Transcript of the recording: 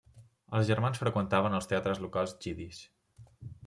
Els germans freqüentaven els teatres locals jiddisch.